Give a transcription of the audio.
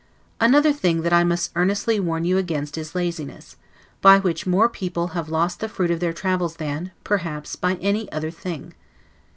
Another thing that I must earnestly warn you against is laziness; by which more people have lost the fruit of their travels than, perhaps, by any other thing.